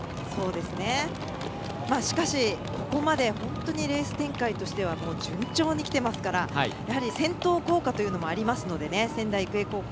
しかし、ここまで本当にレース展開としては順調にきてますからやはり先頭効果というのもありますので仙台育英高校